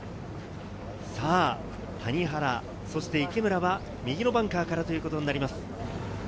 谷原、そして池村は右のバンカーからということになります。